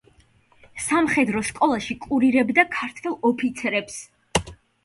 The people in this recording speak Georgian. სამხედრო სკოლაში კურირებდა ქართველ ოფიცრებს.